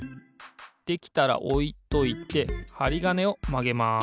できたらおいといてはりがねをまげます。